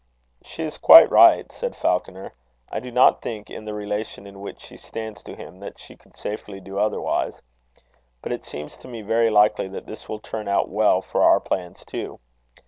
"She is quite right," said Falconer. "I do not think, in the relation in which she stands to him, that she could safely do otherwise. But it seems to me very likely that this will turn out well for our plans, too.